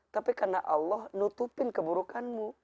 tapi karena allah nutupin keburukanmu